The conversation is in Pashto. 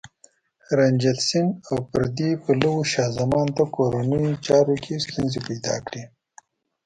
رنجیت سنګ او پردي پلوو شاه زمان ته کورنیو چارو کې ستونزې پیدا کړې.